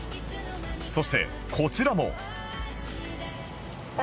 そしてこちらも